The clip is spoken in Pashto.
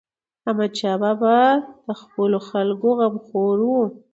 احمدشاه بابا د خپلو خلکو غمخور و.